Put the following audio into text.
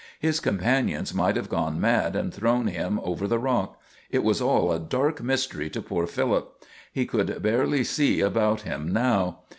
His companions might have gone mad and thrown him over the rock. It was all a dark mystery to poor Philip. He could barely see about him now.